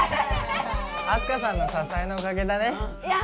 あす花さんの支えのおかげだねいや